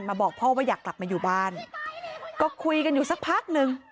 บอกพ่อว่าอยากกลับมาอยู่บ้านก็คุยกันอยู่สักพักหนึ่ง